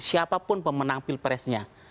siapapun pemenang pilpresnya